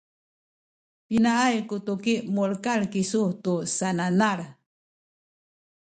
pinaay ku tuki mulekal kisu tu sananal?